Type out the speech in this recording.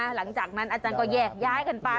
หลังจากนั้นอาจารย์ก็แยกย้ายกันไป